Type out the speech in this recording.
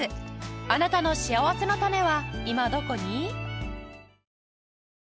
あなたのしあわせのたねは今どこに？